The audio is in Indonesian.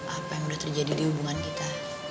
apa yang sudah terjadi di hubungan kita